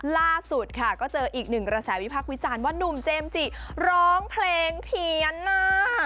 ล่าสุดค่ะก็เจออีกหนึ่งกระแสวิพักษ์วิจารณ์ว่านุ่มเจมส์จิร้องเพลงเถียนหน้า